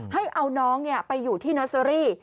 ให้เอาน้องไปอยู่ที่เนอร์เซอรี่